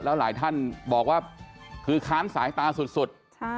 แล้วหลายท่านบอกว่าคือค้านสายตาสุด